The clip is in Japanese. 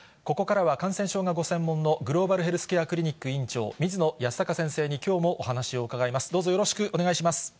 ここからは感染症がご専門の、グローバルヘルスケアクリニック院長、水野泰孝先生にきょうもお話を伺います。